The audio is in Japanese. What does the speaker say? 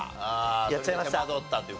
やっちゃいました。